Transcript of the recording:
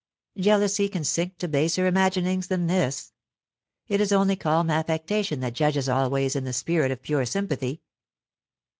Jealousy can sink to baser imaginings than this. It is only calm affection that judges always in the spirit of pure sympathy.